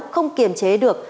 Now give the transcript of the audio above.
không kiềm chế được